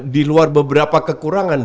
di luar beberapa kekurangan